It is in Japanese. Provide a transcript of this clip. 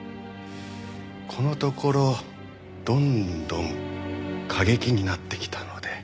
このところどんどん過激になってきたので。